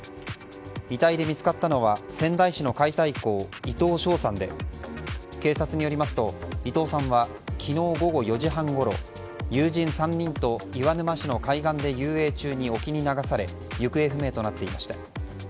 遺体で見つかったのは仙台市の解体工、伊藤翔さんで警察によりますと伊藤さんは昨日午後４時半ごろ友人３人と岩沼市の海岸で遊泳中に沖に流され行方不明となっていました。